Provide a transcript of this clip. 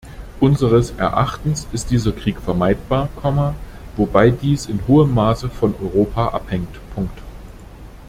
Unseres Erachtens ist dieser Krieg vermeidbar, wobei dies in hohem Maße von Europa abhängt.